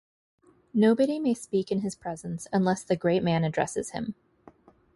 Nobody may speak in his presence unless the great man addresses him.